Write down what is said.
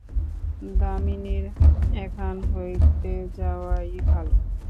দামিনীর এখান হইতে যাওয়াই ভালো।